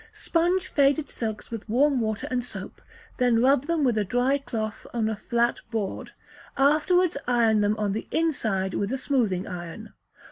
Sponge faded silks with warm water and soap, then rub them with a dry cloth on a flat board; afterwards iron them on the inside with a smoothing iron.